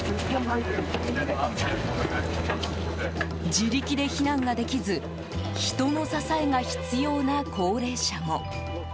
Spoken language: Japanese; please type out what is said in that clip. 自力で避難ができず人の支えが必要な高齢者も。